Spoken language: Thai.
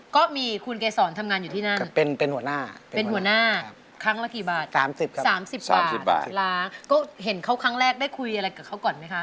ก็เห็นเขาครั้งแรกได้คุยอะไรกับเขาก่อนไหมคะ